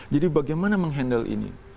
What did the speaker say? jadi bagaimana menghandle ini